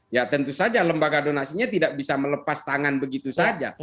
ya tentu saja lembaga donasinya tidak bisa melepas tangan begitu saja